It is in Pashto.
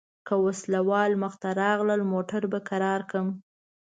که وسله وال مخته راغلل موټر به کرار کړم.